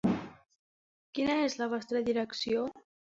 Quina es la vostra direcció?